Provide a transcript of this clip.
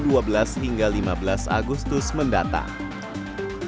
setelah itu semua anggota pasukan akan melaksanakan tahapan gadi bersih di istana merdeka jawa tenggara